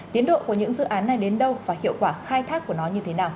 tiến độ của những dự án này đến đâu và hiệu quả khai thác của nó như thế nào